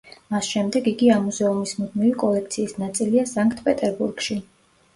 მას შემდეგ იგი ამ მუზეუმის მუდმივი კოლექციის ნაწილია სანქტ-პეტერბურგში.